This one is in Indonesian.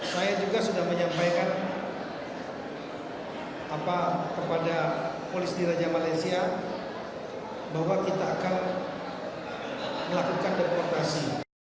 saya juga sudah menyampaikan kepada polisi raja malaysia bahwa kita akan melakukan deportasi